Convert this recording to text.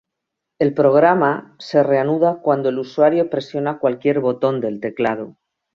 El programa se reanuda cuando el usuario presiona cualquier botón del teclado.